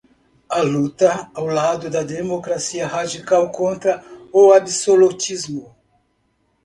a luta ao lado da democracia radical contra o absolutismo